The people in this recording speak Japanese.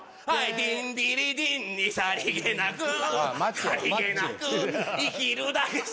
「デンデレデンにさりげなくさりげなく生きるだけさ」